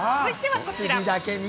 羊だけに。